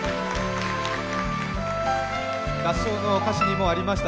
合唱の歌詩にもありました